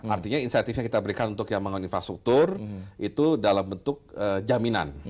artinya insentifnya kita berikan untuk yang membangun infrastruktur itu dalam bentuk jaminan